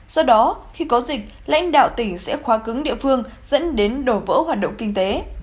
do đó khi có dịch lãnh đạo tỉnh sẽ khóa cứng địa phương dẫn đến đổ vỡ hoạt động kinh tế